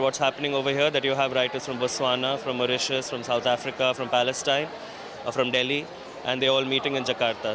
tapi di sini penulis dari botswana mauritius south africa palestine dan delhi berjumpa di jakarta